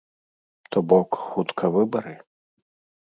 То бок, хутка выбары?